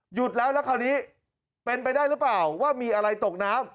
หยุดแล้วแล้วคราวนี้เป็นไปได้หรือเปล่าว่ามีอะไรตกน้ำ